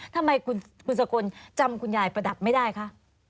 ทำไมคุณสกลจำคุณยายประดับไม่ได้คะ